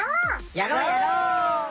やろうやろう！